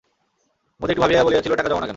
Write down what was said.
মতি একটু ভাবিয়া বলিয়াছিল, টাকা জমাও না কেন?